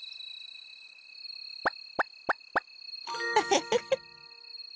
フフフフ。